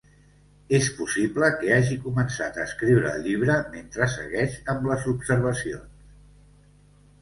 És possible que hagi començat a escriure el llibre mentre segueix amb les observacions.